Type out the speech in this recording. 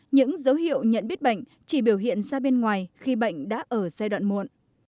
những dấu hiệu nhận biết bệnh chỉ biểu hiện ra bên ngoài khi bệnh đã ở giai đoạn muộn